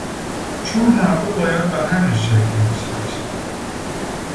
چون هر دو باید به همین شکل نوشته بشن